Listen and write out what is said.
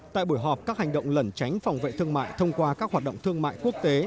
tại buổi họp các hành động lẩn tránh phòng vệ thương mại thông qua các hoạt động thương mại quốc tế